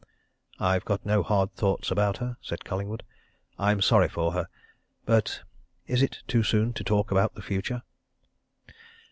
"I've got no hard thoughts about her," said Collingwood. "I'm sorry for her. But is it too soon to talk about the future?"